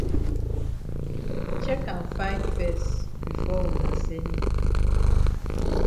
Chek am fine fes before wuna send yi.